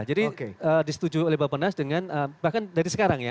jadi disetujui oleh bapak nas dengan bahkan dari sekarang ya